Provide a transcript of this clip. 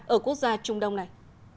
ở quốc gia trung đông này